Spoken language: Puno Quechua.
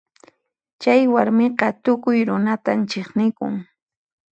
Chay warmiqa tukuy runatan chiqnikun.